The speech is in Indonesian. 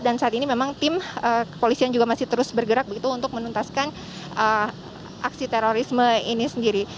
dan saat ini memang tim polisi yang juga masih terus bergerak begitu untuk menuntaskan aksi terorisme ini sendiri